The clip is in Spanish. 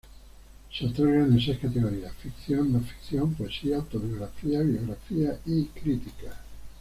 Se otorgan en seis categoría: Ficción, No Ficción, Poesía, Autobiografía, Biografía, y Crítica.